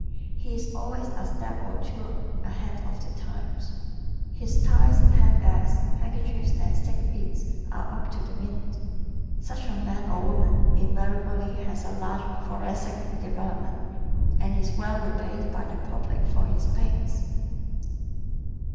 He is always a step or two ahead of the times. His ties, handbags, handkerchiefs and stick pins are "up to the minute." Such a man or woman invariably has a large thoracic development and is well repaid by the public for his pains.